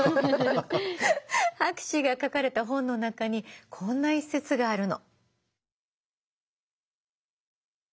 博士が書かれた本の中にこんな一節があるの。